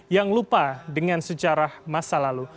yang lupa dengan sejarah masa lalu